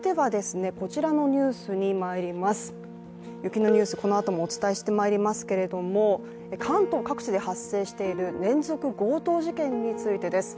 雪のニュース、このあともお伝えしてまいりますけれども、関東各地で発生している連続強盗事件についてです。